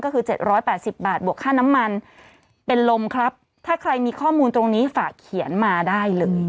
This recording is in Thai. ก็คือ๗๘๐บาทบวกค่าน้ำมันเป็นลมครับถ้าใครมีข้อมูลตรงนี้ฝากเขียนมาได้เลย